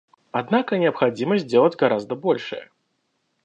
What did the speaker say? Однако необходимо сделать гораздо большее.